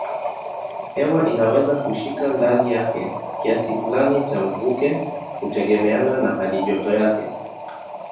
Hewa inaweza kushika ndani yake kiasi fulani cha mvuke kutegemeana na halijoto yake.